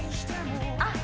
あっ